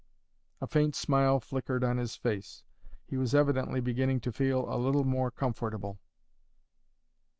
A faint smile flickered on his face. He was evidently beginning to feel a little more comfortable.